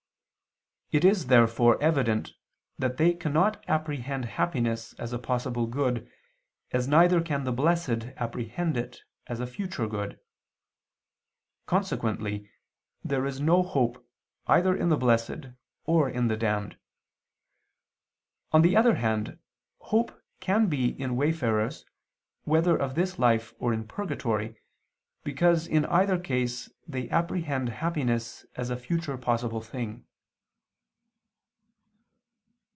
It is, therefore, evident that they cannot apprehend happiness as a possible good, as neither can the blessed apprehend it as a future good. Consequently there is no hope either in the blessed or in the damned. On the other hand, hope can be in wayfarers, whether of this life or in purgatory, because in either case they apprehend happiness as a future possible thing.